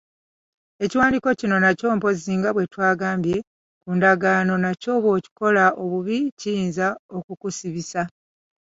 Ekiwandiiko kino nakyo mpozzi nga bwe twagambye ku ndagaano nakyo bw'okikola obubi kiyinza okukusibisa.